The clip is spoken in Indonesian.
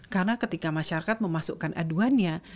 karena ketika masyarakat memasukkan aduannya